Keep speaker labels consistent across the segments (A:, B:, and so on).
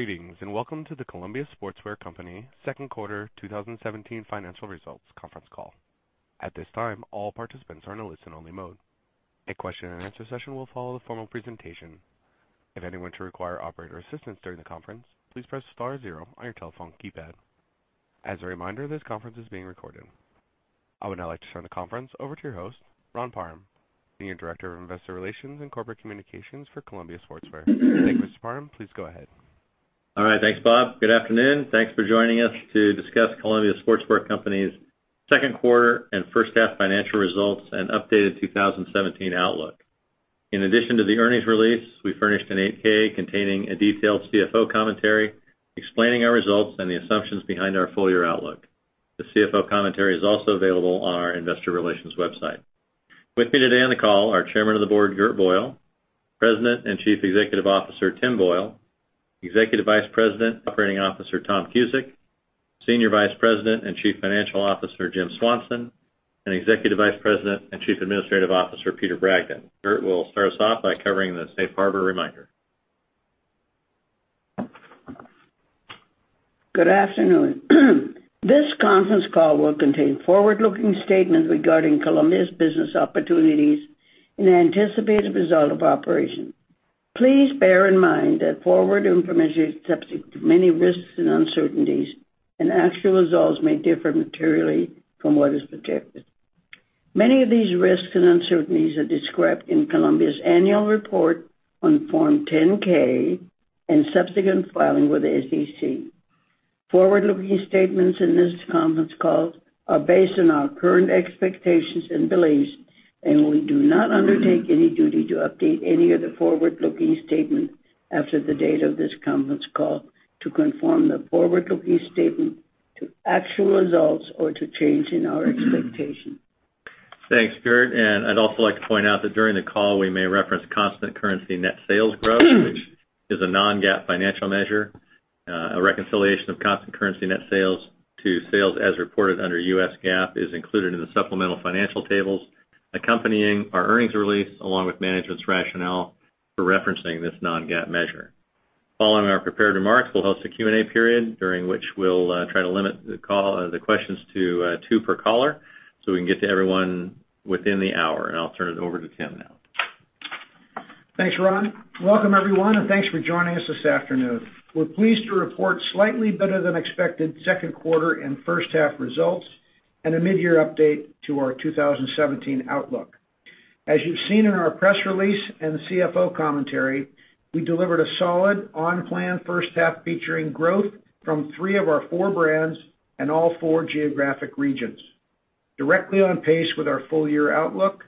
A: Greetings. Welcome to the Columbia Sportswear Company Second Quarter 2017 Financial Results Conference Call. At this time, all participants are in a listen-only mode. A question-and-answer session will follow the formal presentation. If anyone should require operator assistance during the conference, please press star zero on your telephone keypad. As a reminder, this conference is being recorded. I would now like to turn the conference over to your host, Ron Parham, Senior Director of Investor Relations & Corporate Communications for Columbia Sportswear Company. Thank you, Mr. Parham. Please go ahead.
B: All right. Thanks, Bob. Good afternoon. Thanks for joining us to discuss Columbia Sportswear Company's second quarter and first half financial results and updated 2017 outlook. In addition to the earnings release, we furnished an 8-K containing a detailed CFO commentary explaining our results and the assumptions behind our full-year outlook. The CFO commentary is also available on our investor relations website. With me today on the call are Chairman of the Board, Gert Boyle; President and Chief Executive Officer, Tim Boyle; Executive Vice President and Chief Operating Officer, Tom Cusick; Senior Vice President and Chief Financial Officer, Jim Swanson; and Executive Vice President and Chief Administrative Officer, Peter Bragdon. Gert will start us off by covering the safe harbor reminder.
C: Good afternoon. This conference call will contain forward-looking statements regarding Columbia's business opportunities and anticipated results of operations. Please bear in mind that forward information is subject to many risks and uncertainties, and actual results may differ materially from what is predicted. Many of these risks and uncertainties are described in Columbia's annual report on Form 10-K and subsequent filing with the SEC. Forward-looking statements in this conference call are based on our current expectations and beliefs, and we do not undertake any duty to update any of the forward-looking statements after the date of this conference call to confirm the forward-looking statements to actual results or to change in our expectations.
B: Thanks, Gert. I'd also like to point out that during the call, we may reference constant currency net sales growth, which is a non-GAAP financial measure. A reconciliation of constant currency net sales to sales as reported under US GAAP is included in the supplemental financial tables accompanying our earnings release, along with management's rationale for referencing this non-GAAP measure. Following our prepared remarks, we'll host a Q&A period, during which we'll try to limit the questions to two per caller so we can get to everyone within the hour. I'll turn it over to Tim now.
D: Thanks, Ron. Welcome everyone, and thanks for joining us this afternoon. We're pleased to report slightly better than expected second quarter and first-half results, and a mid-year update to our 2017 outlook. As you've seen in our press release and the CFO commentary, we delivered a solid on-plan first half featuring growth from three of our four brands and all four geographic regions. Directly on pace with our full-year outlook,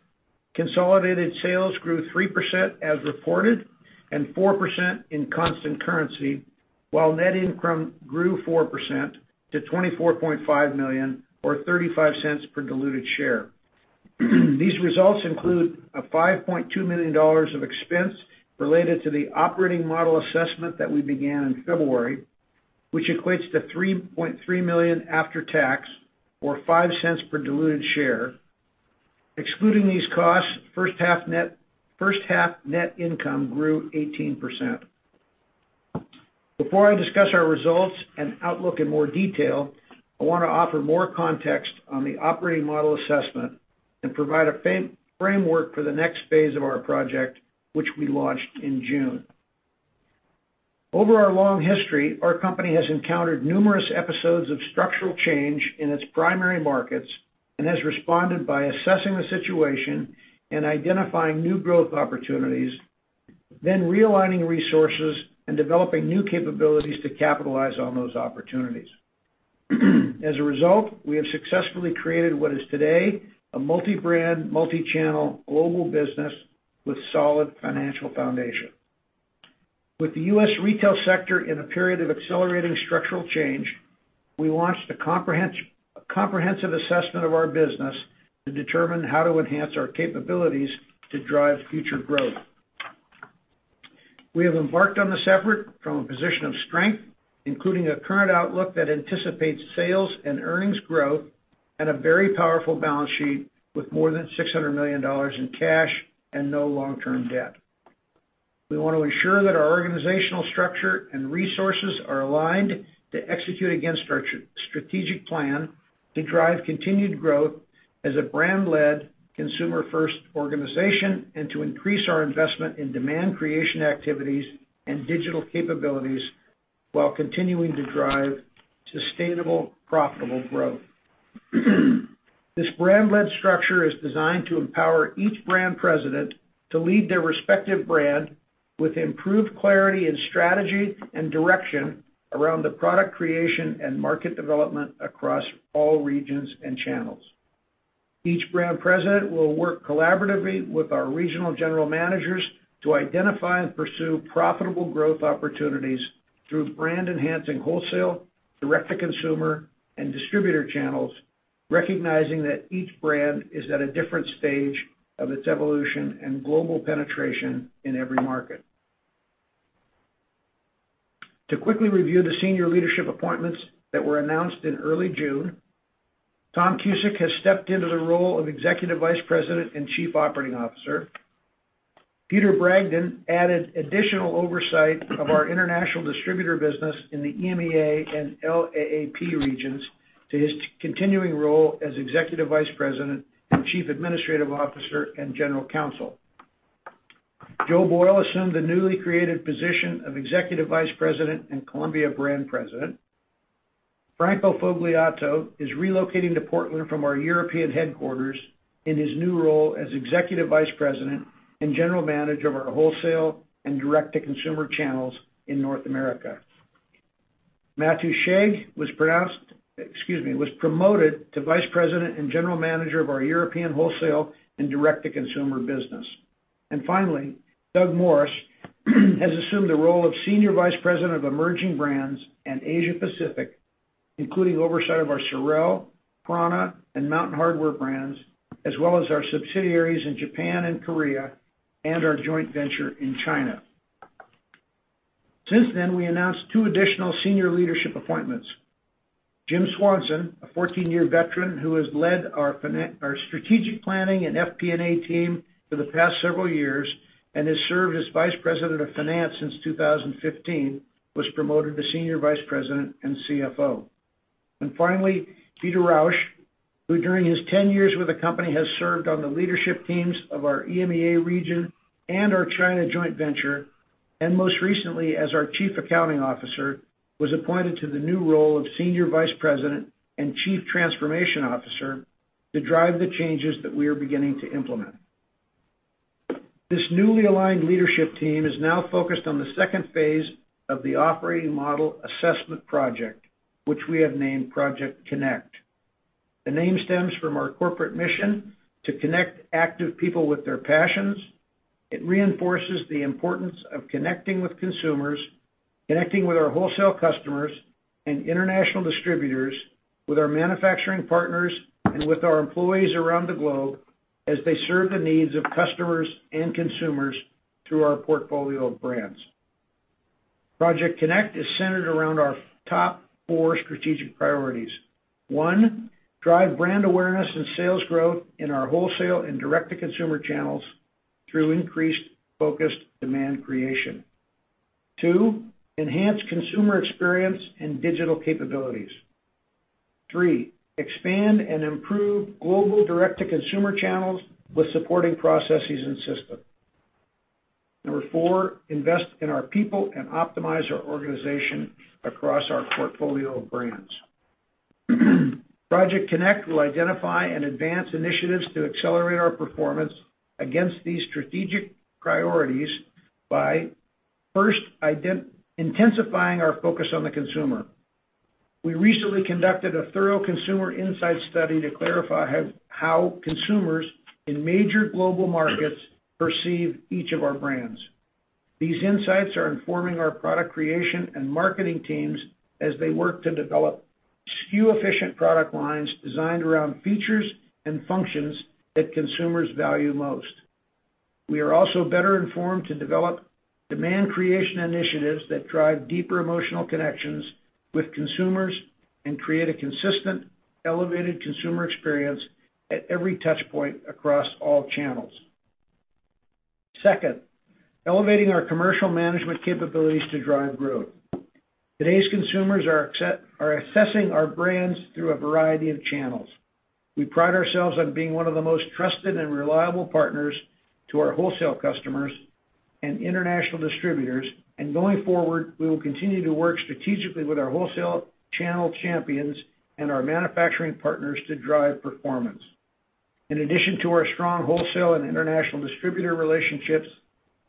D: consolidated sales grew 3% as reported, and 4% in constant currency, while net income grew 4% to $24.5 million or $0.35 per diluted share. These results include $5.2 million of expense related to the operating model assessment that we began in February, which equates to $3.3 million after tax or $0.05 per diluted share. Excluding these costs, first half net income grew 18%. Before I discuss our results and outlook in more detail, I want to offer more context on the operating model assessment and provide a framework for the next phase of our project, which we launched in June. Over our long history, our company has encountered numerous episodes of structural change in its primary markets and has responded by assessing the situation and identifying new growth opportunities, then realigning resources and developing new capabilities to capitalize on those opportunities. As a result, we have successfully created what is today a multi-brand, multi-channel global business with solid financial foundation. With the U.S. retail sector in a period of accelerating structural change, we launched a comprehensive assessment of our business to determine how to enhance our capabilities to drive future growth. We have embarked on this effort from a position of strength, including a current outlook that anticipates sales and earnings growth and a very powerful balance sheet with more than $600 million in cash and no long-term debt. We want to ensure that our organizational structure and resources are aligned to execute against our strategic plan to drive continued growth as a brand-led, consumer-first organization and to increase our investment in demand creation activities and digital capabilities while continuing to drive sustainable, profitable growth. This brand-led structure is designed to empower each brand president to lead their respective brand with improved clarity and strategy and direction around the product creation and market development across all regions and channels. Each brand president will work collaboratively with our regional general managers to identify and pursue profitable growth opportunities through brand-enhancing wholesale, direct-to-consumer, and distributor channels, recognizing that each brand is at a different stage of its evolution and global penetration in every market. To quickly review the senior leadership appointments that were announced in early June Tom Cusick has stepped into the role of Executive Vice President and Chief Operating Officer. Peter Bragdon added additional oversight of our international distributor business in the EMEA and LAAP regions to his continuing role as Executive Vice President and Chief Administrative Officer and General Counsel. Joe Boyle assumed the newly created position of Executive Vice President and Columbia Brand President. Franco Fogliatto is relocating to Portland from our European headquarters in his new role as Executive Vice President and General Manager of our wholesale and direct-to-consumer channels in North America. Matthew Shea was promoted to Vice President and General Manager of our European wholesale and direct-to-consumer business. Finally, Doug Morris has assumed the role of Senior Vice President of Emerging Brands and Asia Pacific, including oversight of our SOREL, prAna, and Mountain Hardwear brands, as well as our subsidiaries in Japan and Korea, and our joint venture in China. Since then, we announced two additional senior leadership appointments. Jim Swanson, a 14-year veteran who has led our strategic planning and FP&A team for the past several years and has served as Vice President of Finance since 2015, was promoted to Senior Vice President and CFO. Finally, Peter Rauch, who during his 10 years with the company, has served on the leadership teams of our EMEA region and our China joint venture, and most recently as our Chief Accounting Officer, was appointed to the new role of Senior Vice President and Chief Transformation Officer to drive the changes that we are beginning to implement. This newly aligned leadership team is now focused on the second phase of the operating model assessment project, which we have named Project CONNECT. The name stems from our corporate mission to connect active people with their passions. It reinforces the importance of connecting with consumers, connecting with our wholesale customers and international distributors, with our manufacturing partners, and with our employees around the globe as they serve the needs of customers and consumers through our portfolio of brands. Project CONNECT is centered around our top four strategic priorities. One, drive brand awareness and sales growth in our wholesale and direct-to-consumer channels through increased focused demand creation. Two, enhance consumer experience and digital capabilities. Three, expand and improve global direct-to-consumer channels with supporting processes and systems. Number four, invest in our people and optimize our organization across our portfolio of brands. Project CONNECT will identify and advance initiatives to accelerate our performance against these strategic priorities by first intensifying our focus on the consumer. We recently conducted a thorough consumer insight study to clarify how consumers in major global markets perceive each of our brands. These insights are informing our product creation and marketing teams as they work to develop SKU-efficient product lines designed around features and functions that consumers value most. We are also better informed to develop demand creation initiatives that drive deeper emotional connections with consumers and create a consistent, elevated consumer experience at every touch point across all channels. Second, elevating our commercial management capabilities to drive growth. Today's consumers are assessing our brands through a variety of channels. We pride ourselves on being one of the most trusted and reliable partners to our wholesale customers and international distributors, going forward, we will continue to work strategically with our wholesale channel champions and our manufacturing partners to drive performance. In addition to our strong wholesale and international distributor relationships,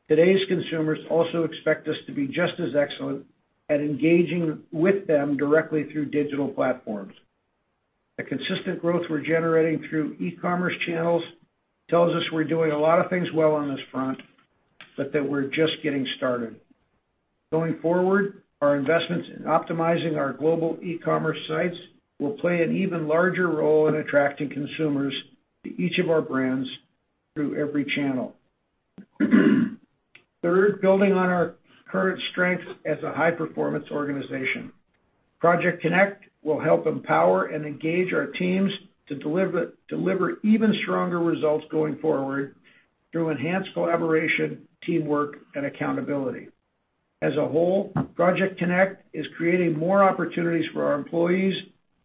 D: today's consumers also expect us to be just as excellent at engaging with them directly through digital platforms. The consistent growth we're generating through e-commerce channels tells us we're doing a lot of things well on this front, but that we're just getting started. Going forward, our investments in optimizing our global e-commerce sites will play an even larger role in attracting consumers to each of our brands through every channel. Third, building on our current strengths as a high-performance organization. Project CONNECT will help empower and engage our teams to deliver even stronger results going forward through enhanced collaboration, teamwork, and accountability. As a whole, Project CONNECT is creating more opportunities for our employees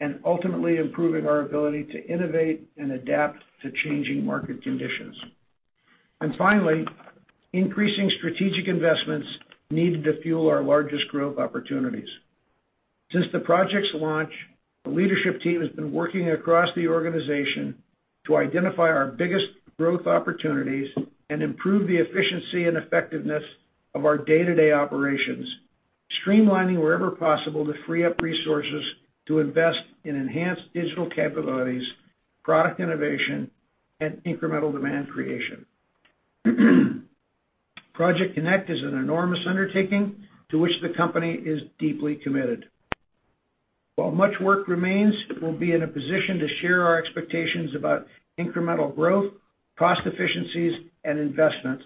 D: and ultimately improving our ability to innovate and adapt to changing market conditions. Finally, increasing strategic investments needed to fuel our largest growth opportunities. Since the project's launch, the leadership team has been working across the organization to identify our biggest growth opportunities and improve the efficiency and effectiveness of our day-to-day operations, streamlining wherever possible to free up resources to invest in enhanced digital capabilities, product innovation, and incremental demand creation. Project CONNECT is an enormous undertaking to which the company is deeply committed. While much work remains, we'll be in a position to share our expectations about incremental growth, cost efficiencies, and investments.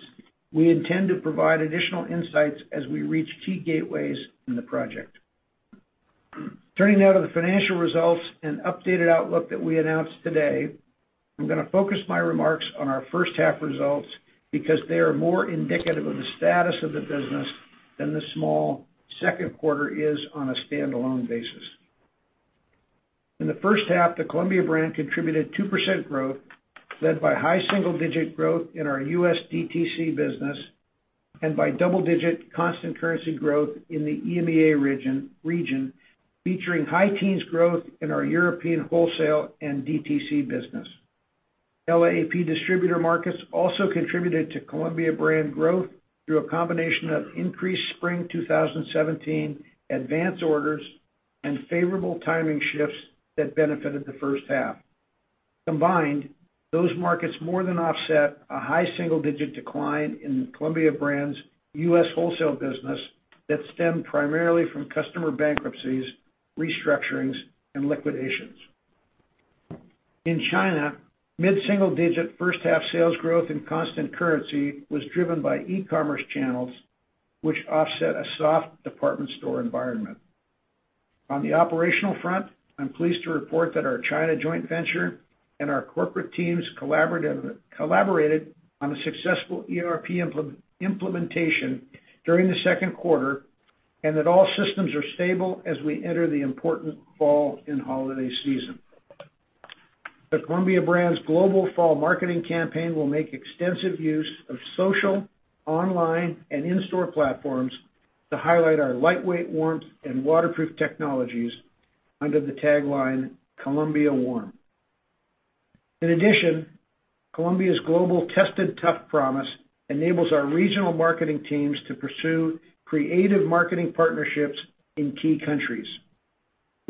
D: We intend to provide additional insights as we reach key gateways in the project. Turning now to the financial results and updated outlook that we announced today. I'm going to focus my remarks on our first half results because they are more indicative of the status of the business than the small second quarter is on a standalone basis. In the first half, the Columbia brand contributed 2% growth, led by high single-digit growth in our U.S. DTC business and by double-digit constant currency growth in the EMEA region, featuring high teens growth in our European wholesale and DTC business. LAAP distributor markets also contributed to Columbia brand growth through a combination of increased spring 2017 advance orders and favorable timing shifts that benefited the first half. Combined, those markets more than offset a high single-digit decline in Columbia brand's U.S. wholesale business that stemmed primarily from customer bankruptcies, restructurings, and liquidations. In China, mid-single digit first half sales growth and constant currency was driven by e-commerce channels, which offset a soft department store environment. On the operational front, I'm pleased to report that our China joint venture and our corporate teams collaborated on a successful ERP implementation during the second quarter, and that all systems are stable as we enter the important fall and holiday season. The Columbia brand's global fall marketing campaign will make extensive use of social, online, and in-store platforms to highlight our lightweight warmth and waterproof technologies under the tagline "Columbia Warm". In addition, Columbia's global tested tough promise enables our regional marketing teams to pursue creative marketing partnerships in key countries.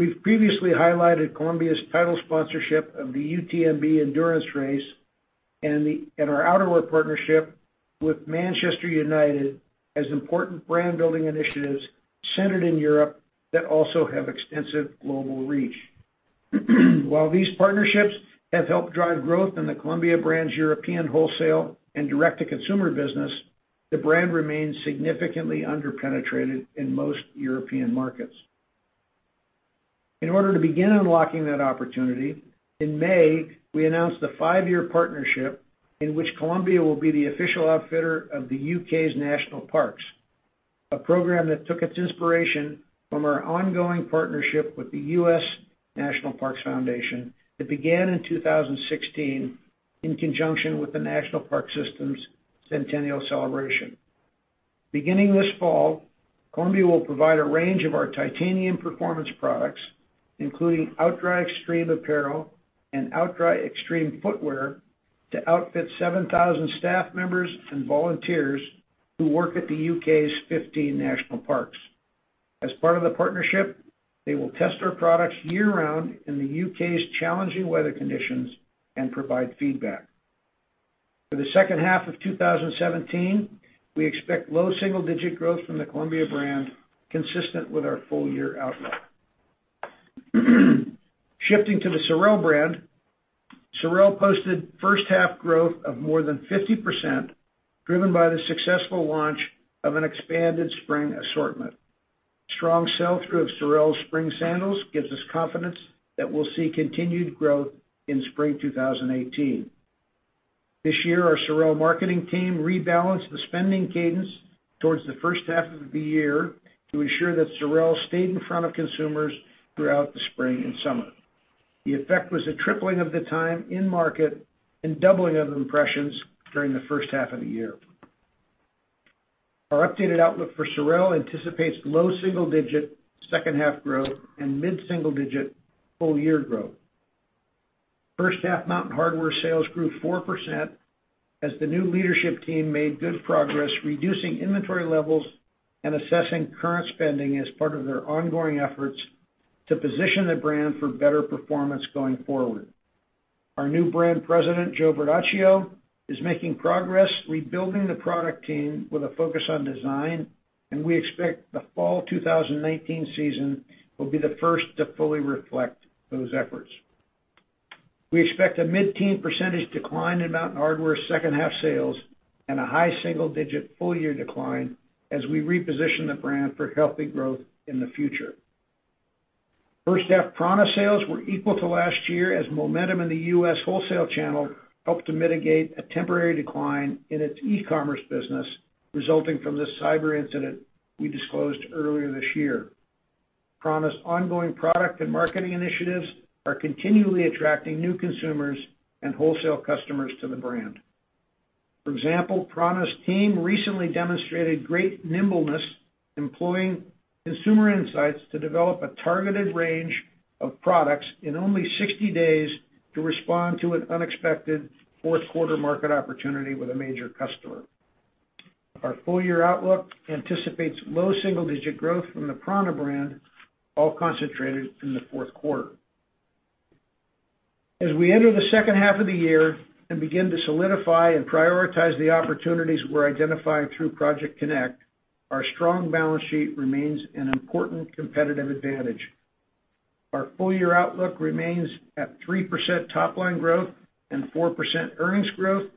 D: We've previously highlighted Columbia's title sponsorship of the UTMB endurance race and our outerwear partnership with Manchester United as important brand-building initiatives centered in Europe that also have extensive global reach. While these partnerships have helped drive growth in the Columbia brand's European wholesale and direct-to-consumer business, the brand remains significantly under-penetrated in most European markets. In order to begin unlocking that opportunity, in May, we announced a five-year partnership in which Columbia will be the official outfitter of the U.K.'s national parks, a program that took its inspiration from our ongoing partnership with the U.S. National Park Foundation. It began in 2016 in conjunction with the National Park System's centennial celebration. Beginning this fall, Columbia will provide a range of our Titanium performance products, including OutDry Extreme apparel and OutDry Extreme footwear, to outfit 7,000 staff members and volunteers who work at the U.K.'s 15 national parks. As part of the partnership, they will test our products year-round in the U.K.'s challenging weather conditions and provide feedback. For the second half of 2017, we expect low double-digit growth from the Columbia brand, consistent with our full-year outlook. Shifting to the SOREL brand. SOREL posted first half growth of more than 50%, driven by the successful launch of an expanded spring assortment. Strong sell-through of SOREL's spring sandals gives us confidence that we'll see continued growth in spring 2018. This year, our SOREL marketing team rebalanced the spending cadence towards the first half of the year to ensure that SOREL stayed in front of consumers throughout the spring and summer. The effect was a tripling of the time in market and doubling of impressions during the first half of the year. Our updated outlook for SOREL anticipates low single-digit second half growth and mid-single digit full-year growth. First half Mountain Hardwear sales grew 4% as the new leadership team made good progress reducing inventory levels and assessing current spending as part of their ongoing efforts to position the brand for better performance going forward. Our new brand president, Joe Vernachio, is making progress rebuilding the product team with a focus on design, and we expect the fall 2019 season will be the first to fully reflect those efforts. We expect a mid-teen percentage decline in Mountain Hardwear second half sales and a high single-digit full-year decline as we reposition the brand for healthy growth in the future. First half prAna sales were equal to last year as momentum in the U.S. wholesale channel helped to mitigate a temporary decline in its e-commerce business resulting from the cyber incident we disclosed earlier this year. prAna's ongoing product and marketing initiatives are continually attracting new consumers and wholesale customers to the brand. For example, prAna's team recently demonstrated great nimbleness employing consumer insights to develop a targeted range of products in only 60 days to respond to an unexpected fourth quarter market opportunity with a major customer. Our full-year outlook anticipates low single-digit growth from the prAna brand, all concentrated in the fourth quarter. As we enter the second half of the year and begin to solidify and prioritize the opportunities we're identifying through Project CONNECT, our strong balance sheet remains an important competitive advantage. Our full-year outlook remains at 3% top line growth and 4% earnings growth,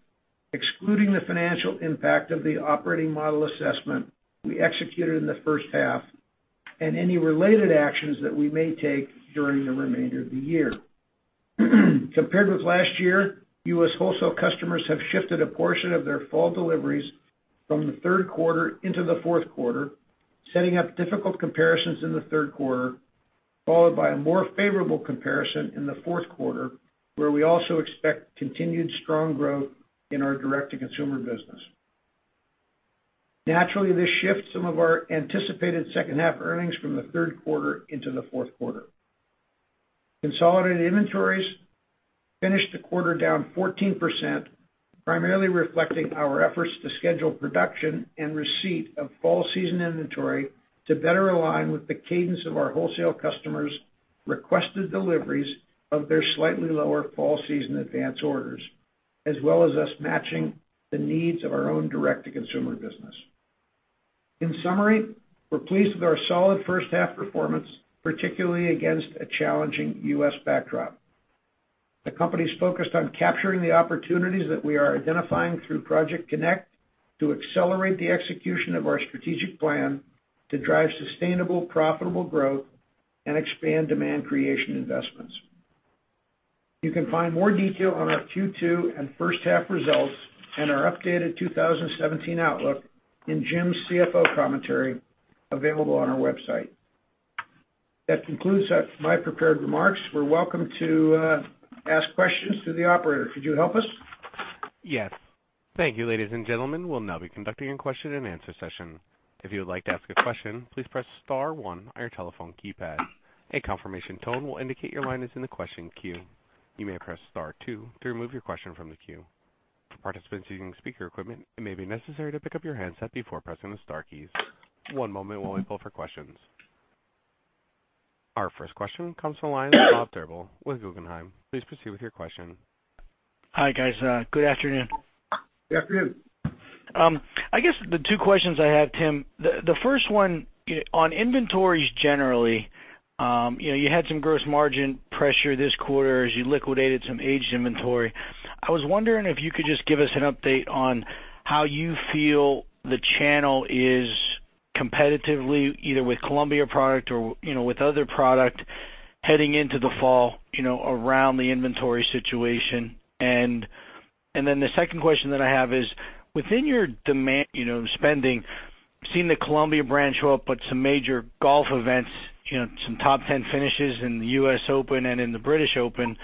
D: excluding the financial impact of the operating model assessment we executed in the first half, and any related actions that we may take during the remainder of the year. Compared with last year, U.S. wholesale customers have shifted a portion of their fall deliveries from the third quarter into the fourth quarter, setting up difficult comparisons in the third quarter, followed by a more favorable comparison in the fourth quarter, where we also expect continued strong growth in our direct-to-consumer business. Naturally, this shifts some of our anticipated second half earnings from the third quarter into the fourth quarter. Consolidated inventories finished the quarter down 14%, primarily reflecting our efforts to schedule production and receipt of fall season inventory to better align with the cadence of our wholesale customers' requested deliveries of their slightly lower fall season advance orders, as well as us matching the needs of our own direct-to-consumer business. In summary, we're pleased with our solid first half performance, particularly against a challenging U.S. backdrop. The company's focused on capturing the opportunities that we are identifying through Project CONNECT to accelerate the execution of our strategic plan to drive sustainable, profitable growth and expand demand creation investments. You can find more detail on our Q2 and first half results and our updated 2017 outlook in Jim's CFO commentary available on our website. That concludes my prepared remarks. We're welcome to ask questions through the operator. Could you help us?
A: Yes. Thank you, ladies and gentlemen. We'll now be conducting a question and answer session. If you would like to ask a question, please press star one on your telephone keypad. A confirmation tone will indicate your line is in the question queue. You may press star two to remove your question from the queue. For participants using speaker equipment, it may be necessary to pick up your handset before pressing the star keys. One moment while we pull for questions. Our first question comes from the line of Bob Drbul with Guggenheim. Please proceed with your question.
E: Hi, guys. Good afternoon.
D: Good afternoon.
E: I guess the two questions I have, Tim, the first one on inventories generally. You had some gross margin pressure this quarter as you liquidated some aged inventory. I was wondering if you could just give us an update on how you feel the channel is competitively, either with Columbia product or with other product heading into the fall, around the inventory situation. The second question that I have is within your demand spending, seeing the Columbia brand show up at some major golf events, some top 10 finishes in the U.S. Open and in the British Open.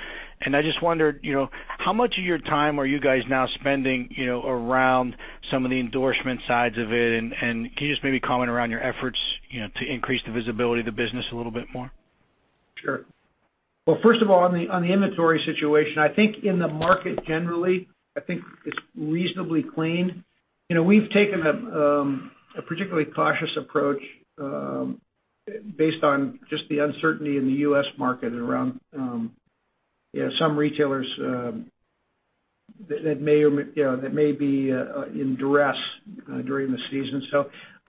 E: I just wondered, how much of your time are you guys now spending around some of the endorsement sides of it? Can you just maybe comment around your efforts to increase the visibility of the business a little bit more?
D: Sure. Well, first of all, on the inventory situation, I think in the market generally, I think it's reasonably clean. We've taken a particularly cautious approach based on just the uncertainty in the U.S. market around some retailers that may be in duress during the season.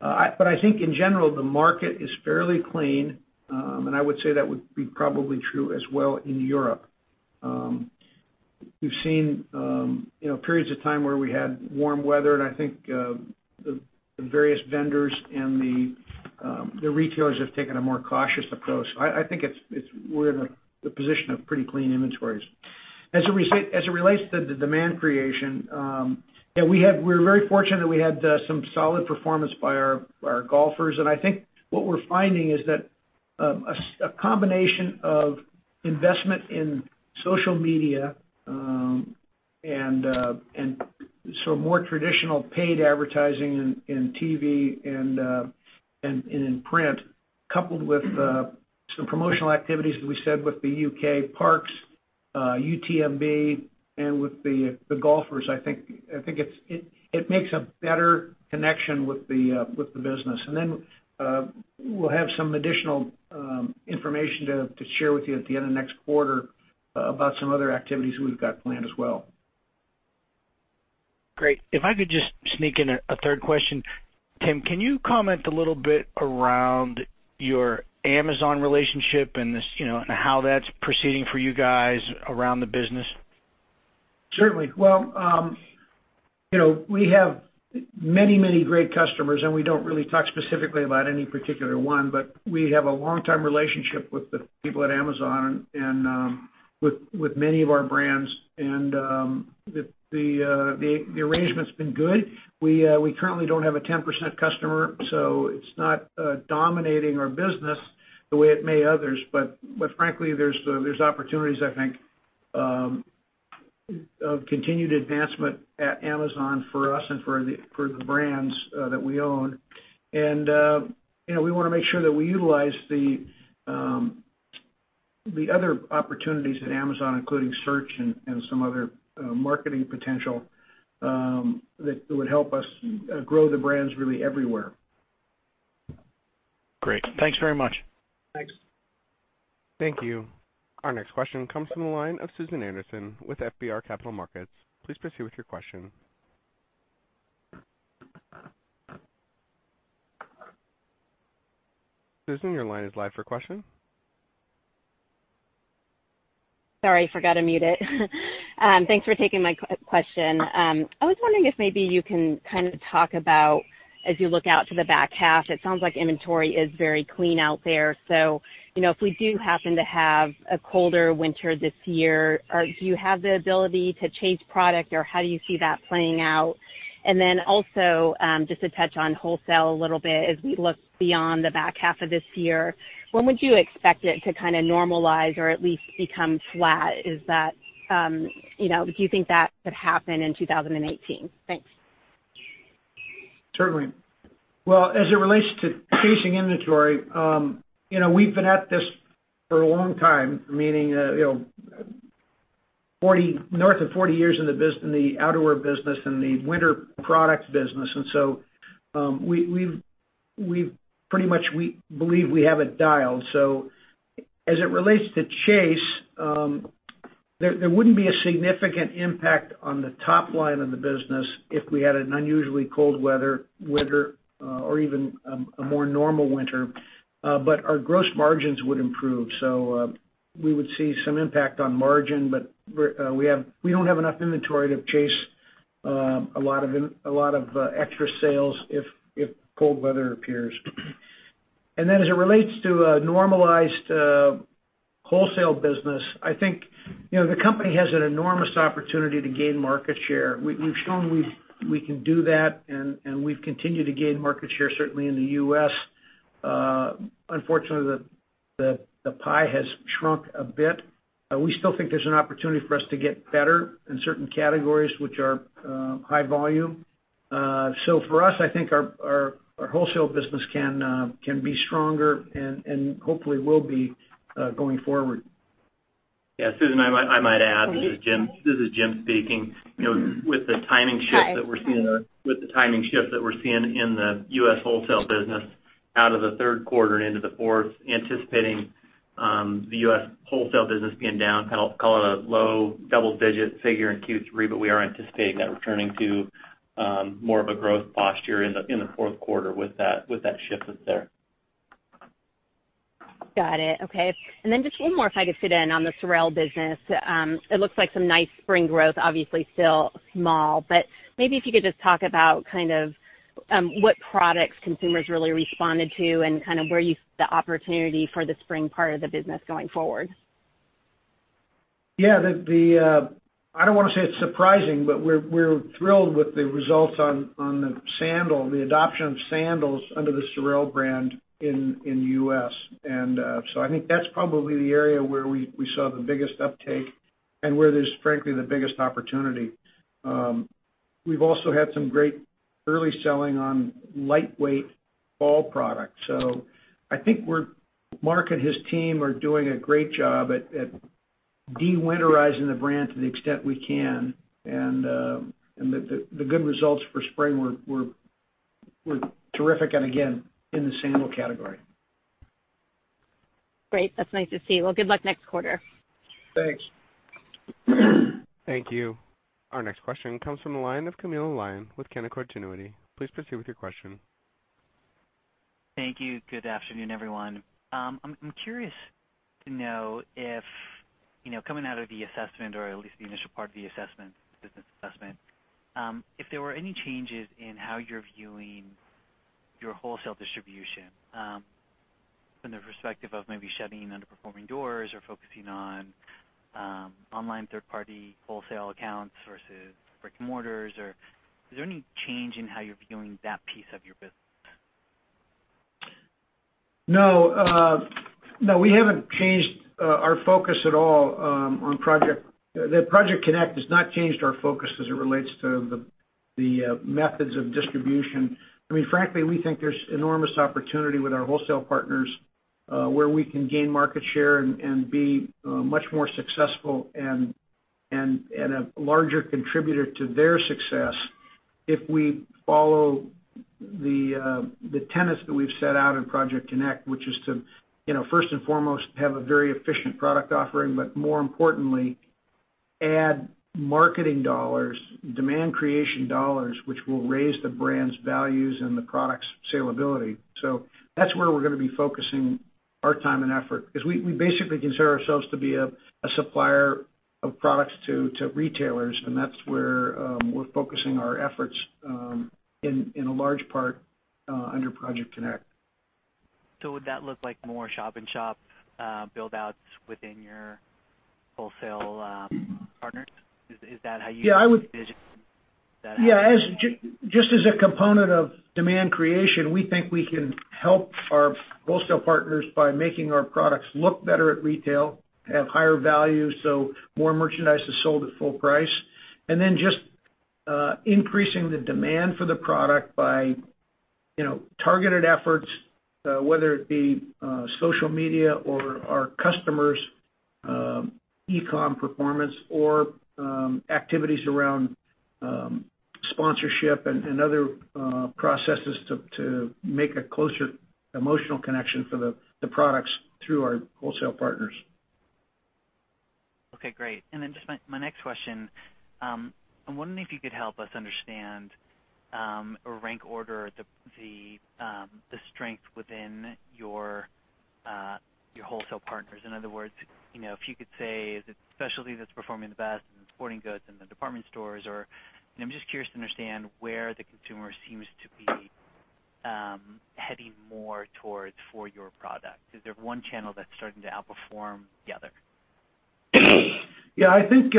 D: I think in general, the market is fairly clean. I would say that would be probably true as well in Europe. We've seen periods of time where we had warm weather, and I think the various vendors and the retailers have taken a more cautious approach. I think we're in the position of pretty clean inventories. As it relates to the demand creation, we're very fortunate we had some solid performance by our golfers. I think what we're finding is that a combination of investment in social media and more traditional paid advertising in TV and in print, coupled with some promotional activities, as we said, with the U.K. parks, UTMB and with the golfers. I think it makes a better connection with the business. We'll have some additional information to share with you at the end of next quarter about some other activities we've got planned as well.
E: Great. If I could just sneak in a third question. Tim, can you comment a little bit around your Amazon relationship and how that's proceeding for you guys around the business?
D: Certainly. We have many great customers. We don't really talk specifically about any particular one. We have a long-term relationship with the people at Amazon and with many of our brands. The arrangement's been good. We currently don't have a 10% customer, so it's not dominating our business the way it may others. Frankly, there's opportunities, I think, of continued advancement at Amazon for us and for the brands that we own. We want to make sure that we utilize the other opportunities at Amazon, including search and some other marketing potential, that would help us grow the brands really everywhere.
E: Great. Thanks very much.
D: Thanks.
A: Thank you. Our next question comes from the line of Susan Anderson with FBR Capital Markets. Please proceed with your question. Susan, your line is live for question.
F: Sorry, forgot to mute it. Thanks for taking my question. I was wondering if maybe you can talk about as you look out to the back half, it sounds like inventory is very clean out there. If we do happen to have a colder winter this year, or do you have the ability to change product? How do you see that playing out? Just to touch on wholesale a little bit, as we look beyond the back half of this year, when would you expect it to normalize or at least become flat? Do you think that could happen in 2018? Thanks.
D: Certainly. Well, as it relates to chasing inventory, we've been at this for a long time, meaning north of 40 years in the outdoor business and the winter product business. We pretty much believe we have it dialed. As it relates to chase, there wouldn't be a significant impact on the top line of the business if we had an unusually cold weather winter or even a more normal winter. Our gross margins would improve. We would see some impact on margin, but we don't have enough inventory to chase a lot of extra sales if cold weather appears. As it relates to a normalized wholesale business, I think the company has an enormous opportunity to gain market share. We've shown we can do that, and we've continued to gain market share, certainly in the U.S. Unfortunately, the pie has shrunk a bit. We still think there's an opportunity for us to get better in certain categories which are high volume. For us, I think our wholesale business can be stronger and hopefully will be going forward.
G: Yeah, Susan, I might add. This is Jim speaking. With the timing shift that we're seeing-
F: Hi
G: with the timing shift that we're seeing in the U.S. wholesale business out of the third quarter and into the fourth, anticipating the U.S. wholesale business being down, call it a low double-digit figure in Q3. We are anticipating that returning to more of a growth posture in the fourth quarter with that shift that's there.
F: Got it. Okay. Just one more if I could fit in on the SOREL business. It looks like some nice spring growth, obviously still small, but maybe if you could just talk about what products consumers really responded to and where you see the opportunity for the spring part of the business going forward.
D: Yeah. I don't want to say it's surprising, but we're thrilled with the results on the sandal, the adoption of sandals under the SOREL brand in the U.S. I think that's probably the area where we saw the biggest uptake and where there's frankly the biggest opportunity. We've also had some great early selling on lightweight fall product. I think Mark and his team are doing a great job at de-winterizing the brand to the extent we can. The good results for spring were terrific, and again, in the sandal category.
F: Great. That's nice to see. Good luck next quarter.
D: Thanks.
A: Thank you. Our next question comes from the line of Camilo Lyon with Canaccord Genuity. Please proceed with your question.
H: Thank you. Good afternoon, everyone. I'm curious to know if, coming out of the assessment or at least the initial part of the business assessment, if there were any changes in how you're viewing your wholesale distribution from the perspective of maybe shutting underperforming doors or focusing on online third party wholesale accounts versus brick and mortars? Is there any change in how you're viewing that piece of your business?
D: No. No, we haven't changed our focus at all on Project CONNECT. Project CONNECT has not changed our focus as it relates to the methods of distribution. Frankly, we think there's enormous opportunity with our wholesale partners, where we can gain market share and be much more successful and a larger contributor to their success if we follow the tenets that we've set out in Project CONNECT, which is to, first and foremost, have a very efficient product offering, but more importantly, add marketing dollars, demand creation dollars, which will raise the brand's values and the product's salability. That's where we're going to be focusing our time and effort. We basically consider ourselves to be a supplier of products to retailers, and that's where we're focusing our efforts in a large part under Project CONNECT.
H: Would that look like more shop and shop build-outs within your wholesale partners? Is that how you-
D: Yeah, I would-
H: envision that happening?
D: Yeah. Just as a component of demand creation, we think we can help our wholesale partners by making our products look better at retail, have higher value, so more merchandise is sold at full price. Just increasing the demand for the product by targeted efforts, whether it be social media or our customers' e-com performance or activities around sponsorship and other processes to make a closer emotional connection for the products through our wholesale partners.
H: Okay, great. Just my next question. I'm wondering if you could help us understand or rank order the strength within your wholesale partners. In other words, if you could say, is it specialty that's performing the best, then sporting goods, and the department stores or I'm just curious to understand where the consumer seems to be heading more towards for your product. Is there one channel that's starting to outperform the other?
D: Yeah, I think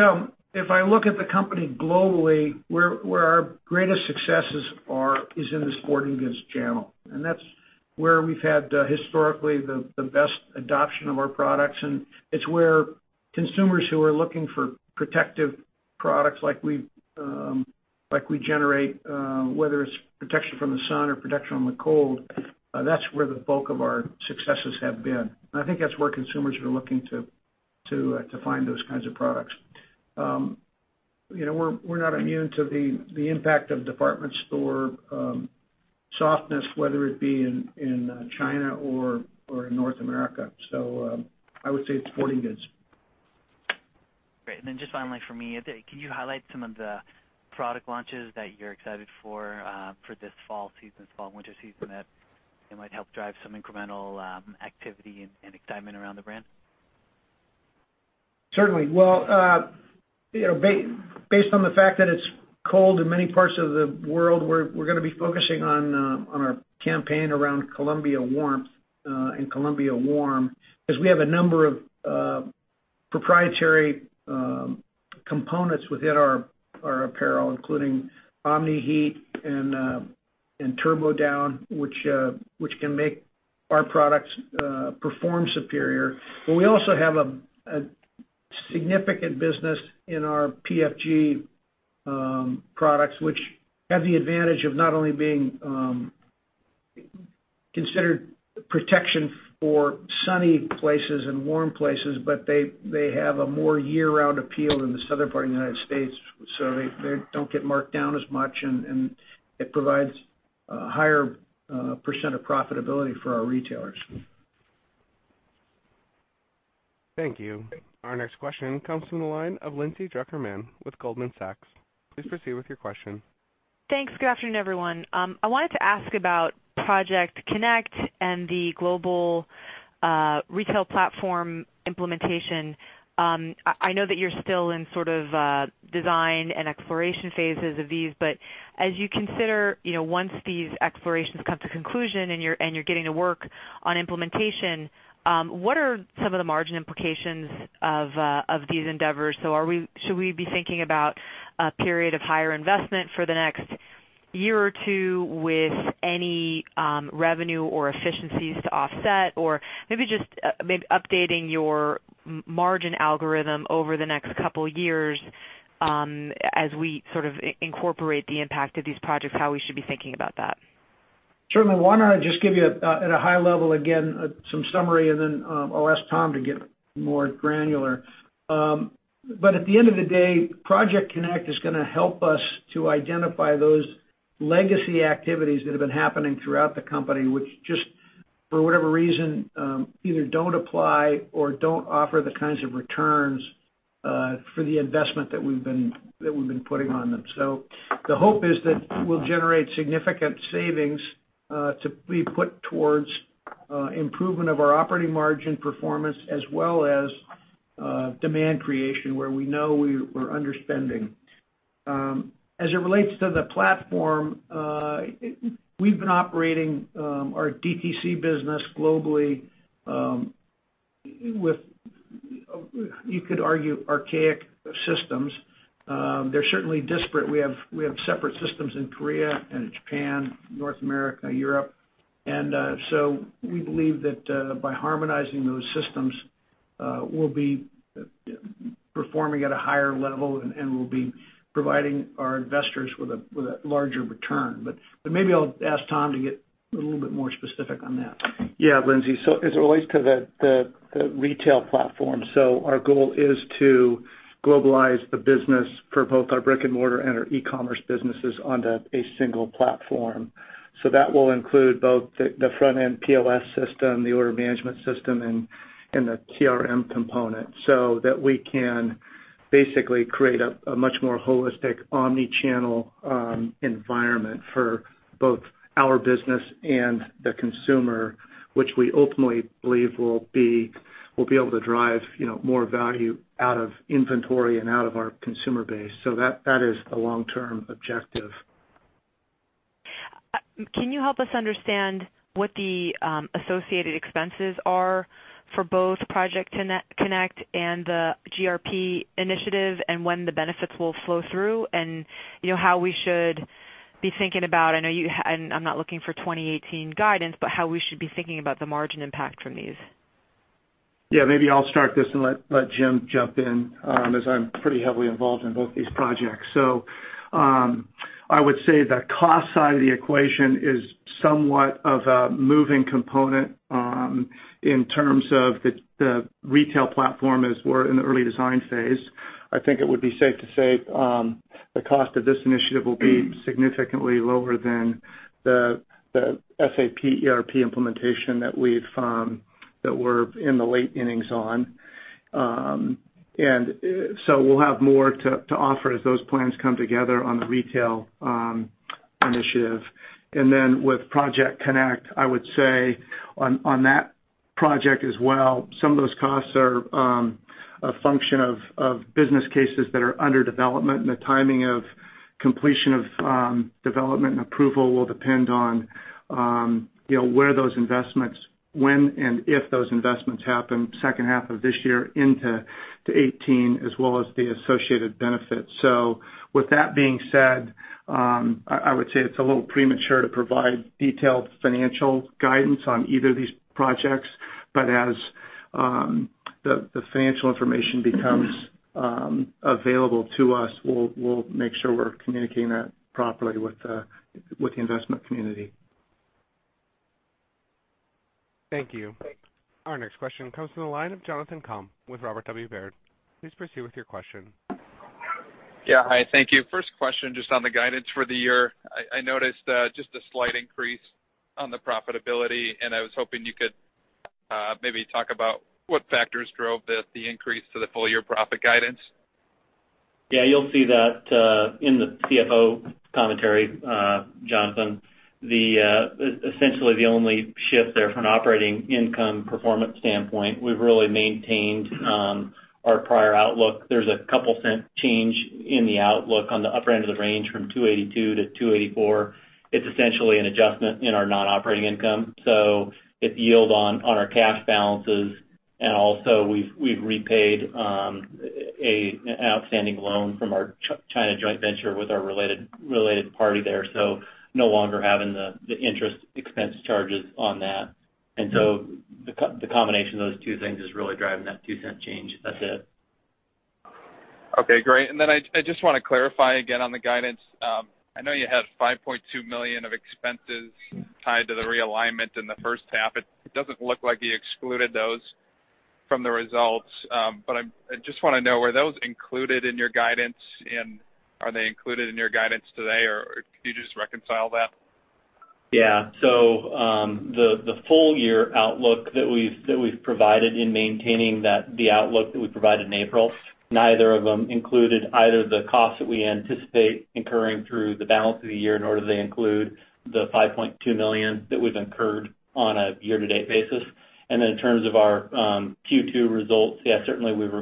D: if I look at the company globally, where our greatest successes are is in the sporting goods channel, and that's where we've had historically the best adoption of our products, and it's where consumers who are looking for protective products like we generate, whether it's protection from the sun or protection from the cold, that's where the bulk of our successes have been. I think that's where consumers are looking to find those kinds of products. We're not immune to the impact of department store softness, whether it be in China or in North America. I would say it's sporting goods.
H: Just finally from me, can you highlight some of the product launches that you're excited for this fall season, fall/winter season, that might help drive some incremental activity and excitement around the brand?
D: Certainly. Well, based on the fact that it's cold in many parts of the world, we're going to be focusing on our campaign around Columbia Warm and Columbia Warm. We have a number of proprietary components within our apparel, including Omni-Heat and TurboDown, which can make our products perform superior. We also have a significant business in our PFG products, which have the advantage of not only being considered protection for sunny places and warm places, but they have a more year-round appeal in the southern part of the U.S., so they don't get marked down as much, and it provides a higher % of profitability for our retailers.
A: Thank you. Our next question comes from the line of Lindsay Drucker Mann with Goldman Sachs. Please proceed with your question.
I: Thanks. Good afternoon, everyone. I wanted to ask about Project CONNECT and the Global Retail Platform implementation. I know that you're still in sort of design and exploration phases of these, as you consider, once these explorations come to conclusion and you're getting to work on implementation, what are some of the margin implications of these endeavors? Should we be thinking about a period of higher investment for the next year or two with any revenue or efficiencies to offset? Maybe just updating your margin algorithm over the next couple of years as we sort of incorporate the impact of these projects, how we should be thinking about that.
D: Certainly. Why don't I just give you at a high level again, some summary, and then I'll ask Tom to get more granular. At the end of the day, Project CONNECT is going to help us to identify those legacy activities that have been happening throughout the company, which just for whatever reason, either don't apply or don't offer the kinds of returns for the investment that we've been putting on them. The hope is that we'll generate significant savings to be put towards improvement of our operating margin performance as well as demand creation, where we know we're underspending. As it relates to the platform, we've been operating our DTC business globally with, you could argue, archaic systems. They're certainly disparate. We have separate systems in Korea and Japan, North America, Europe. We believe that by harmonizing those systems, we'll be performing at a higher level, and we'll be providing our investors with a larger return. Maybe I'll ask Tom to get a little bit more specific on that.
J: Yeah, Lindsay. As it relates to the retail platform, our goal is to globalize the business for both our brick and mortar and our e-commerce businesses onto a single platform. That will include both the front end POS system, the order management system, and the CRM component, so that we can basically create a much more holistic omni-channel environment for both our business and the consumer, which we ultimately believe will be able to drive more value out of inventory and out of our consumer base. That is the long-term objective.
I: Can you help us understand what the associated expenses are for both Project CONNECT and the GRP initiative and when the benefits will flow through? How we should be thinking about, I'm not looking for 2018 guidance, how we should be thinking about the margin impact from these.
J: Maybe I'll start this and let Jim jump in, as I'm pretty heavily involved in both these projects. I would say the cost side of the equation is somewhat of a moving component in terms of the retail platform, as we're in the early design phase. I think it would be safe to say the cost of this initiative will be significantly lower than the SAP ERP implementation that we're in the late innings on. We'll have more to offer as those plans come together on the retail initiative. With Project CONNECT, I would say on that project as well, some of those costs are a function of business cases that are under development. The timing of completion of development and approval will depend on where those investments, when and if those investments happen second half of this year into 2018, as well as the associated benefits. With that being said, I would say it's a little premature to provide detailed financial guidance on either of these projects. As the financial information becomes available to us, we'll make sure we're communicating that properly with the investment community.
A: Thank you. Our next question comes from the line of Jonathan Komp with Robert W. Baird. Please proceed with your question.
K: Hi, thank you. First question just on the guidance for the year. I noticed just a slight increase on the profitability. I was hoping you could maybe talk about what factors drove the increase to the full year profit guidance.
G: You'll see that in the CFO commentary, Jonathan. Essentially the only shift there from an operating income performance standpoint, we've really maintained our prior outlook. There's a couple cent change in the outlook on the upper end of the range from $2.82 to $2.84. It's essentially an adjustment in our non-operating income. It's yield on our cash balances. Also we've repaid an outstanding loan from our China joint venture with our related party there. No longer having the interest expense charges on that. The combination of those two things is really driving that $0.02 change. That's it.
K: Okay, great. I just want to clarify again on the guidance. I know you had $5.2 million of expenses tied to the realignment in the first half. It doesn't look like you excluded those from the results. I just want to know, were those included in your guidance, and are they included in your guidance today, or could you just reconcile that?
G: Yeah. The full year outlook that we've provided in maintaining the outlook that we provided in April, neither of them included either the cost that we anticipate incurring through the balance of the year, nor do they include the $5.2 million that we've incurred on a year-to-date basis. In terms of our Q2 results, yeah, certainly we've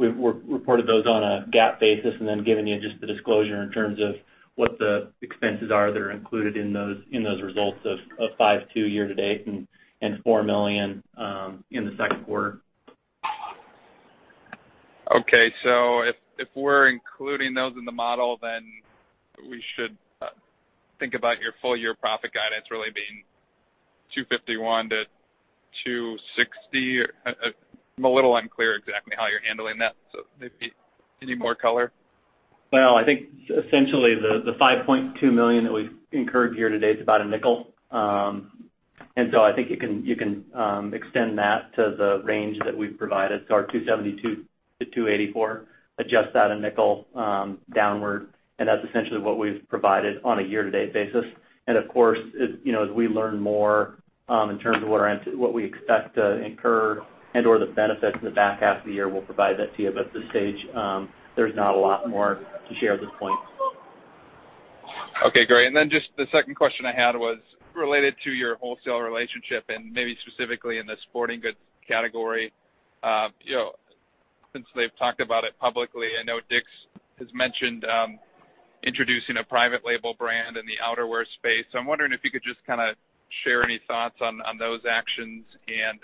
G: reported those on a GAAP basis, given you just the disclosure in terms of what the expenses are that are included in those results of $5.2 million year-to-date and $4 million in the second quarter.
K: Okay. If we're including those in the model, we should think about your full year profit guidance really being $2.51 to $2.60. I'm a little unclear exactly how you're handling that, maybe I need more color.
G: Well, I think essentially the $5.2 million that we've incurred year-to-date is about $0.05. I think you can extend that to the range that we've provided. Our $2.74 to $2.84, adjust that $0.05 downward, and that's essentially what we've provided on a year-to-date basis. Of course, as we learn more, in terms of what we expect to incur and/or the benefits in the back half of the year, we'll provide that to you. At this stage, there's not a lot more to share at this point.
K: Okay, great. Just the second question I had was related to your wholesale relationship and maybe specifically in the sporting goods category. Since they've talked about it publicly, I know Dick's has mentioned introducing a private label brand in the outerwear space. I'm wondering if you could just share any thoughts on those actions and,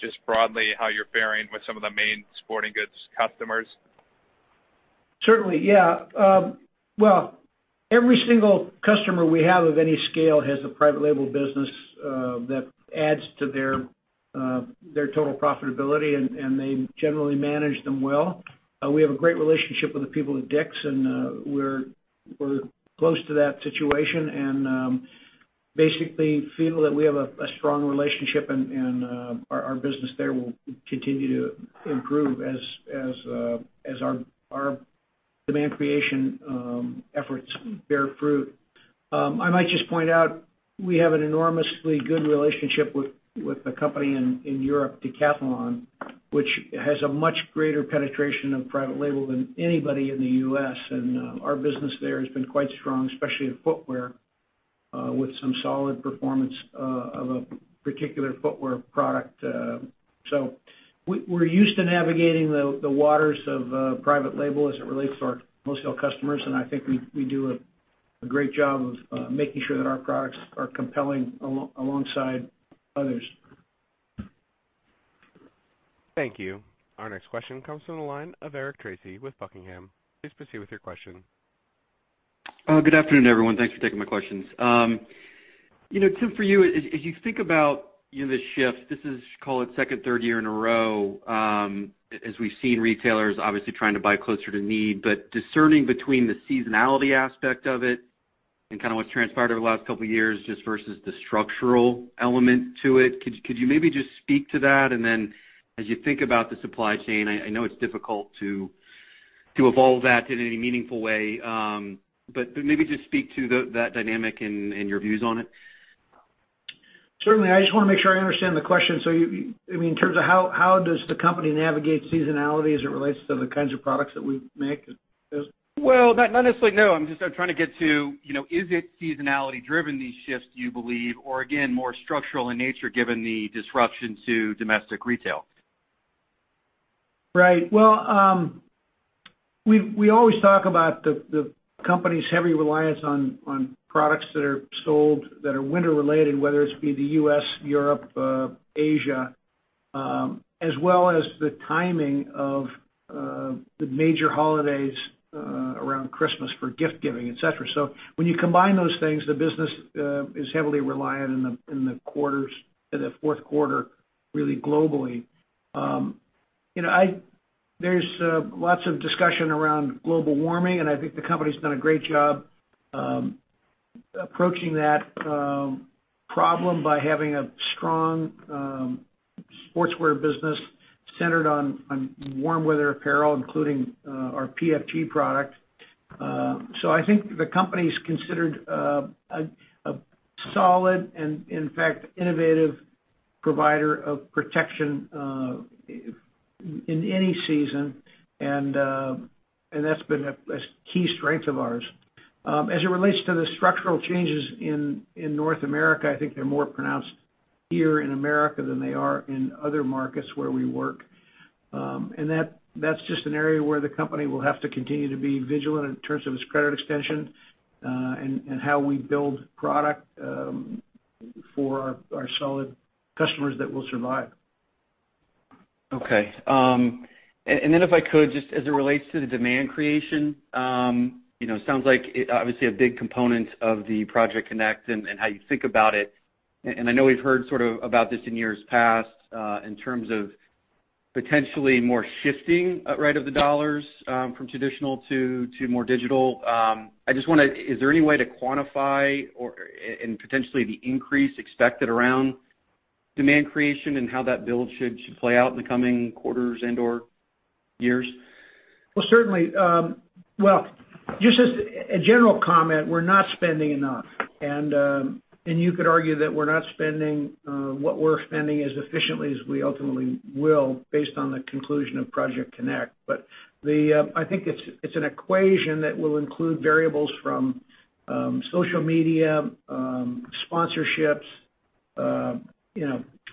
K: just broadly, how you're faring with some of the main sporting goods customers.
D: Certainly, yeah. Well, every single customer we have of any scale has a private label business that adds to their total profitability, and they generally manage them well. We have a great relationship with the people at Dick's, and we're close to that situation and basically feel that we have a strong relationship and our business there will continue to improve as our demand creation efforts bear fruit. I might just point out, we have an enormously good relationship with a company in Europe, Decathlon, which has a much greater penetration of private label than anybody in the U.S. Our business there has been quite strong, especially in footwear, with some solid performance of a particular footwear product.
J: We're used to navigating the waters of private label as it relates to our wholesale customers, and I think we do a great job of making sure that our products are compelling alongside others.
A: Thank you. Our next question comes from the line of Eric Tracy with Buckingham. Please proceed with your question.
L: Good afternoon, everyone. Thanks for taking my questions. Tim, for you, as you think about the shift, this is, call it second, third year in a row, as we've seen retailers obviously trying to buy closer to need. Discerning between the seasonality aspect of it what's transpired over the last couple of years, just versus the structural element to it. Could you maybe just speak to that? as you think about the supply chain, I know it's difficult to evolve that in any meaningful way, but maybe just speak to that dynamic and your views on it.
D: Certainly. I just want to make sure I understand the question. In terms of how does the company navigate seasonality as it relates to the kinds of products that we make?
L: Well, not necessarily, no. I'm just trying to get to, is it seasonality driven, these shifts, do you believe, or again, more structural in nature given the disruption to domestic retail?
D: Well, we always talk about the company's heavy reliance on products that are sold, that are winter related, whether it be the U.S., Europe, Asia, as well as the timing of the major holidays around Christmas for gift giving, et cetera. When you combine those things, the business is heavily reliant in the fourth quarter, really globally. There's lots of discussion around global warming, I think the company's done a great job approaching that problem by having a strong sportswear business centered on warm weather apparel, including our PFG product. I think the company's considered a solid, and in fact, innovative provider of protection in any season, and that's been a key strength of ours. As it relates to the structural changes in North America, I think they're more pronounced here in America than they are in other markets where we work. That's just an area where the company will have to continue to be vigilant in terms of its credit extension, and how we build product for our solid customers that will survive.
L: If I could, just as it relates to the demand creation, sounds like, obviously, a big component of the Project CONNECT and how you think about it. I know we've heard sort of about this in years past, in terms of potentially more shifting rate of the $ from traditional to more digital. Is there any way to quantify and potentially the increase expected around demand creation and how that build should play out in the coming quarters and/or years?
D: Certainly. Well, just as a general comment, we're not spending enough. You could argue that we're not spending what we're spending as efficiently as we ultimately will based on the conclusion of Project CONNECT. I think it's an equation that will include variables from social media, sponsorships,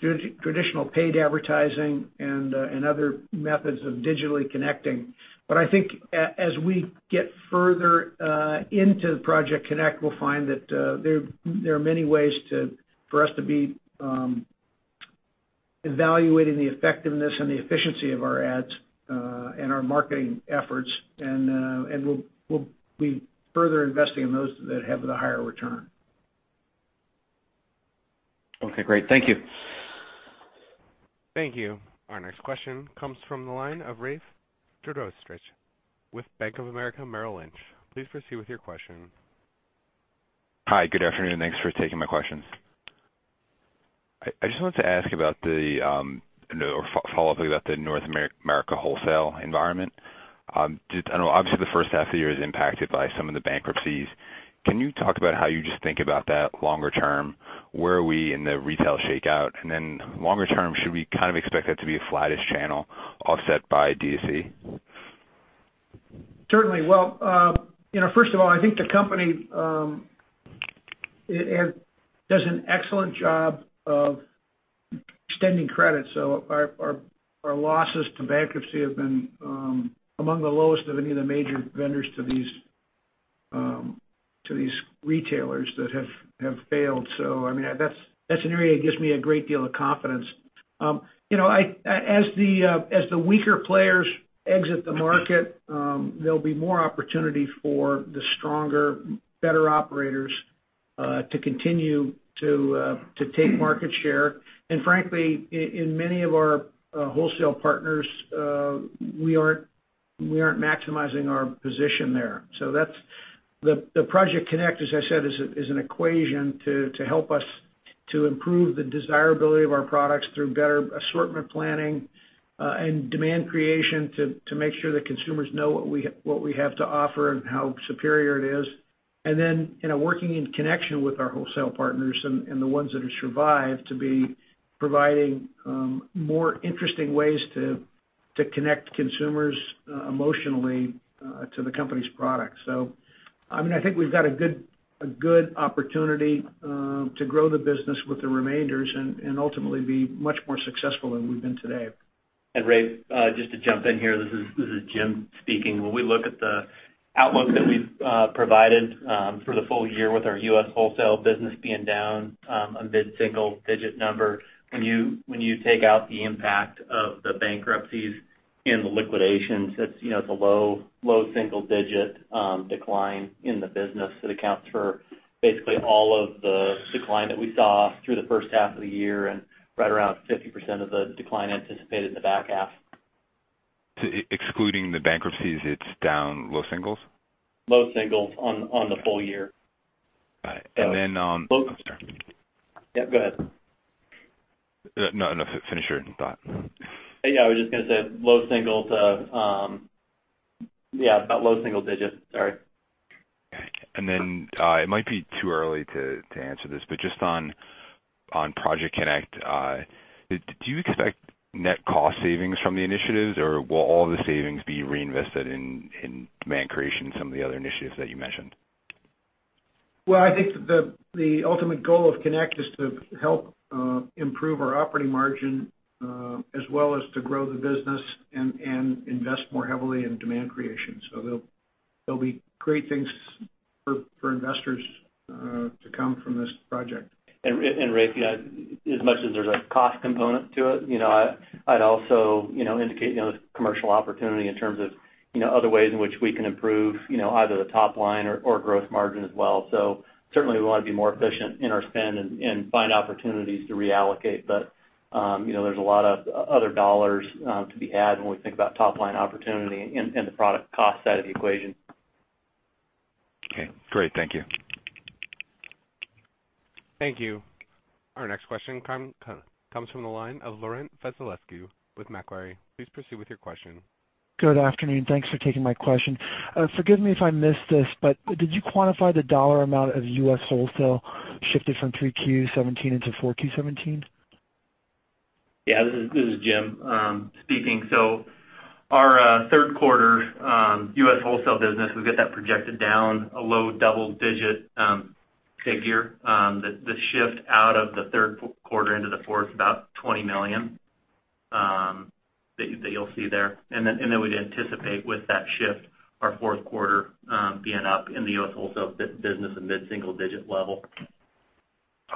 D: traditional paid advertising and other methods of digitally connecting. I think as we get further into Project CONNECT, we'll find that there are many ways for us to be evaluating the effectiveness and the efficiency of our ads, and our marketing efforts. We'll be further investing in those that have the higher return.
L: Okay, great. Thank you.
A: Thank you. Our next question comes from the line of Rafe Jadrosich with Bank of America Merrill Lynch. Please proceed with your question.
M: Hi, good afternoon. Thanks for taking my questions. I just wanted to ask about the, or follow up about the North America wholesale environment. I know obviously the first half of the year is impacted by some of the bankruptcies. Can you talk about how you just think about that longer term? Where are we in the retail shakeout? Then longer term, should we kind of expect that to be a flattish channel offset by DTC?
D: Certainly. Well, first of all, I think the company does an excellent job of extending credit. Our losses to bankruptcy have been among the lowest of any of the major vendors to these retailers that have failed. That's an area that gives me a great deal of confidence. As the weaker players exit the market, there'll be more opportunity for the stronger, better operators to continue to take market share. Frankly, in many of our wholesale partners, we aren't maximizing our position there. The Project CONNECT, as I said, is an equation to help us to improve the desirability of our products through better assortment planning, and demand creation to make sure that consumers know what we have to offer and how superior it is. Working in connection with our wholesale partners and the ones that have survived to be providing more interesting ways to connect consumers emotionally to the company's product. I think we've got a good opportunity to grow the business with the remainders and ultimately be much more successful than we've been today.
G: Rafe, just to jump in here, this is Jim speaking. When we look at the outlook that we've provided for the full year with our U.S. wholesale business being down a mid-single digit number, when you take out the impact of the bankruptcies and the liquidations, it's a low single digit decline in the business that accounts for basically all of the decline that we saw through the first half of the year and right around 50% of the decline anticipated in the back half.
M: Excluding the bankruptcies, it's down low singles?
G: Low singles on the full year.
M: Got it. I'm sorry.
G: Yeah, go ahead.
M: No, finish your thought.
G: Yeah, I was just going to say, yeah, about low single digits. Sorry.
M: It might be too early to answer this, but just on Project CONNECT, do you expect net cost savings from the initiatives, or will all the savings be reinvested in demand creation and some of the other initiatives that you mentioned?
D: I think the ultimate goal of CONNECT is to help improve our operating margin, as well as to grow the business and invest more heavily in demand creation. There'll be great things for investors to come from this project.
G: Rafe, as much as there's a cost component to it, I'd also indicate the commercial opportunity in terms of other ways in which we can improve either the top line or growth margin as well. Certainly we want to be more efficient in our spend and find opportunities to reallocate, but there's a lot of other dollars to be had when we think about top-line opportunity and the product cost side of the equation.
M: Great. Thank you.
A: Thank you. Our next question comes from the line of Laurent Vasilescu with Macquarie. Please proceed with your question.
N: Good afternoon. Thanks for taking my question. Forgive me if I missed this, but did you quantify the dollar amount of U.S. wholesale shifted from three Q17 into four Q17?
G: Yeah, this is Jim speaking. Our third quarter U.S. wholesale business, we've got that projected down a low double-digit figure. The shift out of the third quarter into the fourth, about $20 million that you'll see there. We'd anticipate with that shift our fourth quarter being up in the U.S. wholesale business, a mid-single-digit level.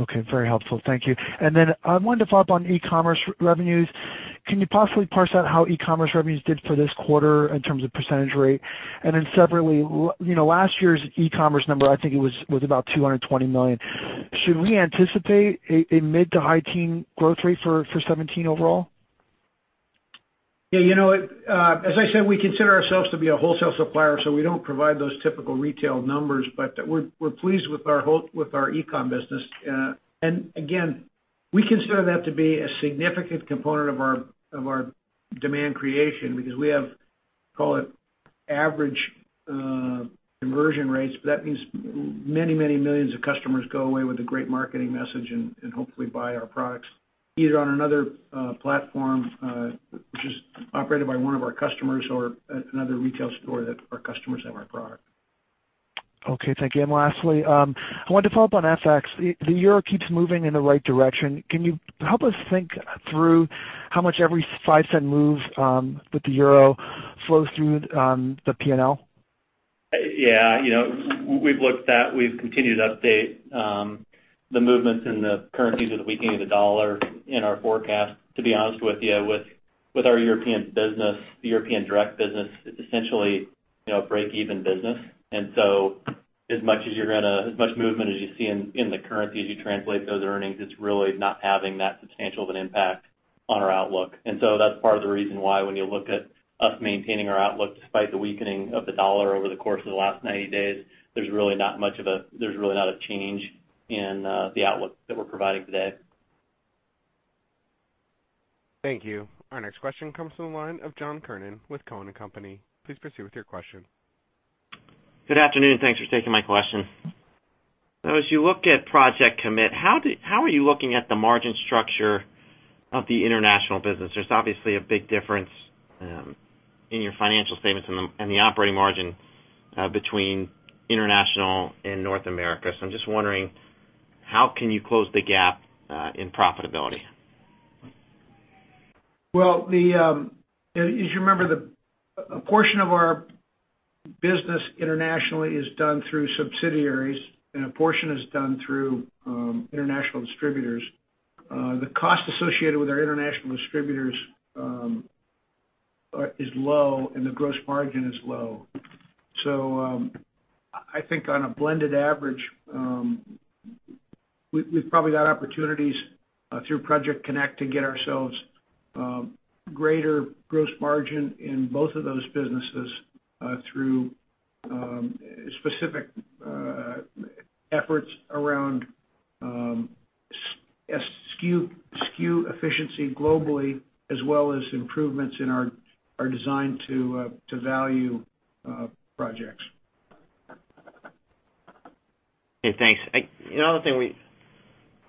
N: Okay. Very helpful. Thank you. I'm wondering to follow up on e-commerce revenues. Can you possibly parse out how e-commerce revenues did for this quarter in terms of percentage rate? Separately, last year's e-commerce number, I think it was about $220 million. Should we anticipate a mid-to-high-teen growth rate for 2017 overall?
D: As I said, we consider ourselves to be a wholesale supplier, so we don't provide those typical retail numbers. We're pleased with our e-commerce business. Again, we consider that to be a significant component of our demand creation because we have, call it average conversion rates, but that means many millions of customers go away with a great marketing message and hopefully buy our products, either on another platform, which is operated by one of our customers or another retail store that our customers have our product.
N: Okay, thank you. Lastly, I wanted to follow up on FX. The euro keeps moving in the right direction. Can you help us think through how much every $0.05 move, with the euro flows through the P&L?
G: We've looked that. We've continued to update the movements in the currencies with the weakening of the dollar in our forecast. To be honest with you, with our European business, the European direct business, it's essentially a break-even business. As much movement as you see in the currency, as you translate those earnings, it's really not having that substantial of an impact on our outlook. That's part of the reason why when you look at us maintaining our outlook despite the weakening of the dollar over the course of the last 90 days, there's really not a change in the outlook that we're providing today.
A: Thank you. Our next question comes from the line of John Kernan with Cowen and Company. Please proceed with your question.
O: Good afternoon, thanks for taking my question. As you look at Project CONNECT, how are you looking at the margin structure of the international business? There's obviously a big difference in your financial statements and the operating margin between international and North America. I'm just wondering how can you close the gap in profitability?
D: Well, as you remember, a portion of our business internationally is done through subsidiaries, and a portion is done through international distributors. The cost associated with our international distributors is low, and the gross margin is low. I think on a blended average, we've probably got opportunities through Project CONNECT to get ourselves greater gross margin in both of those businesses through specific efforts around SKU efficiency globally, as well as improvements in our design to value projects.
O: Okay, thanks. The other thing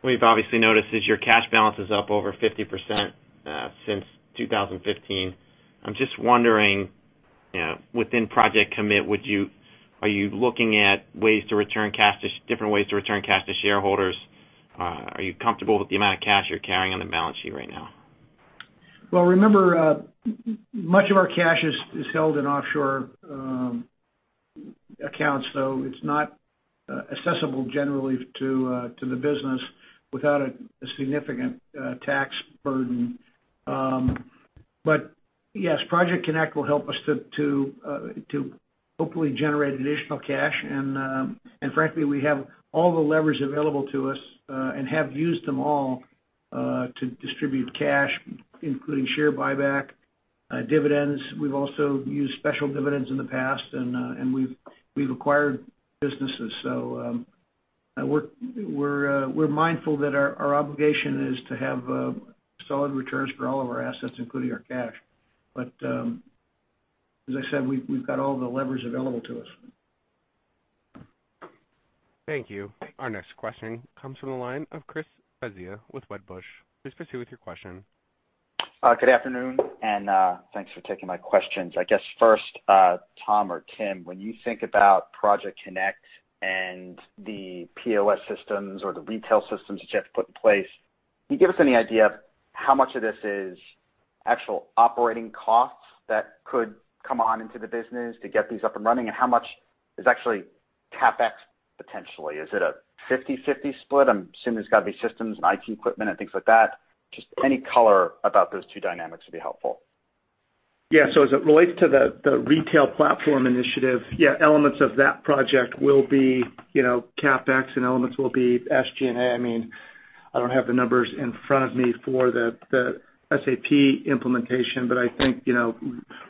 O: we've obviously noticed is your cash balance is up over 50% since 2015. I'm just wondering, within Project CONNECT, are you looking at different ways to return cash to shareholders? Are you comfortable with the amount of cash you're carrying on the balance sheet right now?
D: Well, remember, much of our cash is held in offshore accounts, so it's not accessible generally to the business without a significant tax burden. Yes, Project CONNECT will help us to hopefully generate additional cash. Frankly, we have all the levers available to us and have used them all To distribute cash, including share buyback, dividends. We've also used special dividends in the past, and we've acquired businesses. We're mindful that our obligation is to have solid returns for all of our assets, including our cash. As I said, we've got all the levers available to us.
A: Thank you. Our next question comes from the line of Christopher Svezia with Wedbush. Please proceed with your question.
P: Good afternoon, thanks for taking my questions. I guess first, Tom or Tim, when you think about Project CONNECT and the POS systems or the retail systems that you have to put in place, can you give us any idea of how much of this is actual operating costs that could come on into the business to get these up and running? How much is actually CapEx potentially? Is it a 50-50 split? I'm assuming there's got to be systems and IT equipment and things like that. Just any color about those two dynamics would be helpful.
J: As it relates to the retail platform initiative, elements of that project will be CapEx, and elements will be SG&A. I don't have the numbers in front of me for the SAP implementation, I think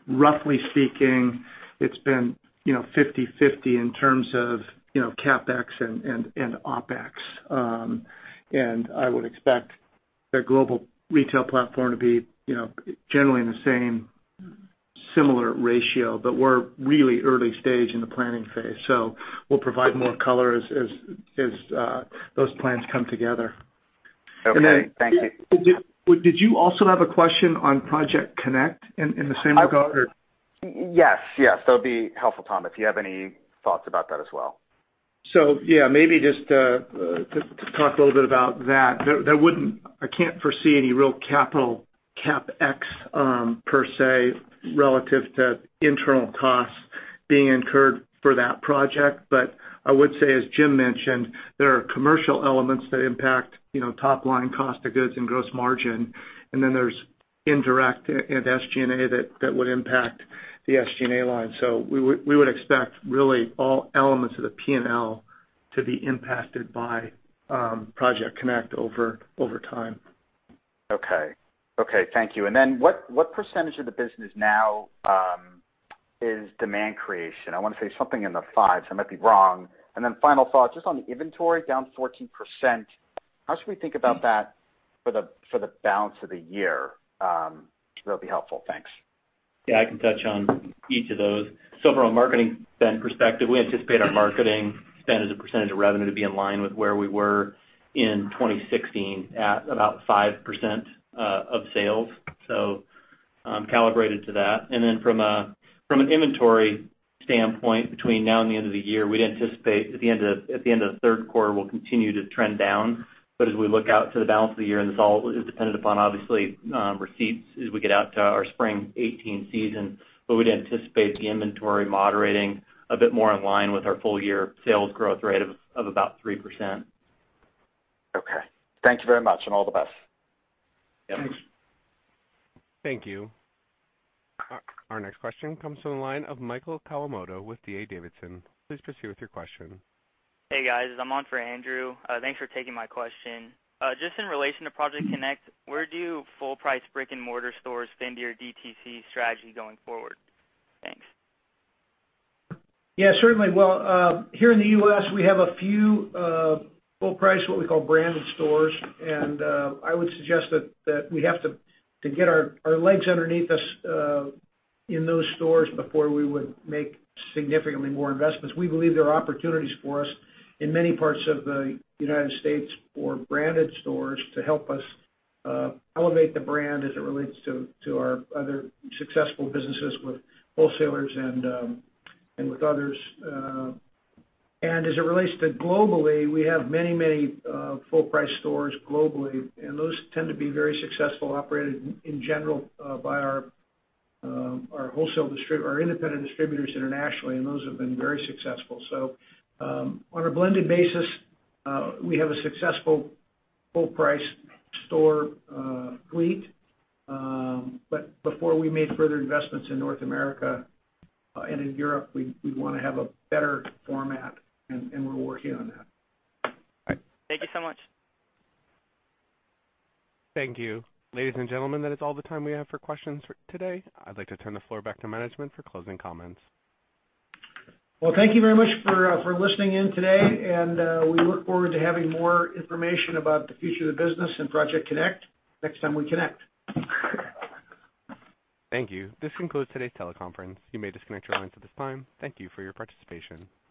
J: roughly speaking, it's been 50-50 in terms of CapEx and OpEx. I would expect the global retail platform to be generally in the same similar ratio. We're really early stage in the planning phase, we'll provide more color as those plans come together.
P: Okay. Thank you.
J: Did you also have a question on Project CONNECT in the same regard, or
P: Yes. That would be helpful, Tom, if you have any thoughts about that as well.
J: Yeah, maybe just to talk a little bit about that. I can't foresee any real capital CapEx per se relative to internal costs being incurred for that project. I would say, as Jim mentioned, there are commercial elements that impact top-line cost of goods and gross margin. There's indirect and SG&A that would impact the SG&A line. We would expect really all elements of the P&L to be impacted by Project Connect over time.
P: Okay. Thank you. What percentage of the business now is demand creation? I want to say something in the fives. I might be wrong. Final thoughts, just on the inventory down 14%, how should we think about that for the balance of the year? That'll be helpful. Thanks.
G: Yeah, I can touch on each of those. From a marketing spend perspective, we anticipate our marketing spend as a percentage of revenue to be in line with where we were in 2016 at about 5% of sales. Calibrated to that. From an inventory standpoint, between now and the end of the year, we'd anticipate at the end of the third quarter, we'll continue to trend down. As we look out to the balance of the year, and this all is dependent upon obviously receipts as we get out to our spring 2018 season, we'd anticipate the inventory moderating a bit more in line with our full-year sales growth rate of about 3%.
P: Okay. Thank you very much, and all the best.
G: Yep.
J: Thanks.
A: Thank you. Our next question comes from the line of Michael Kawamoto with D.A. Davidson. Please proceed with your question.
Q: Hey, guys. I'm on for Andrew. Thanks for taking my question. Just in relation to Project CONNECT, where do full-price brick-and-mortar stores fit into your DTC strategy going forward? Thanks.
D: Yeah, certainly. Well, here in the U.S., we have a few full-price, what we call branded stores. I would suggest that we have to get our legs underneath us in those stores before we would make significantly more investments. We believe there are opportunities for us in many parts of the United States for branded stores to help us elevate the brand as it relates to our other successful businesses with wholesalers and with others. As it relates to globally, we have many full-price stores globally, and those tend to be very successful, operated in general by our independent distributors internationally, and those have been very successful. On a blended basis, we have a successful full-price store fleet. Before we make further investments in North America and in Europe, we want to have a better format, and we're working on that.
Q: All right. Thank you so much.
A: Thank you. Ladies and gentlemen, that is all the time we have for questions today. I'd like to turn the floor back to management for closing comments.
D: Well, thank you very much for listening in today, and we look forward to having more information about the future of the business and Project CONNECT next time we connect.
A: Thank you. This concludes today's teleconference. You may disconnect your lines at this time. Thank you for your participation.